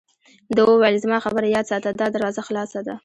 ده وویل: زما خبره یاد ساته، دا دروازه خلاصه ده.